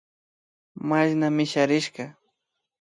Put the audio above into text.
Mashna misharishka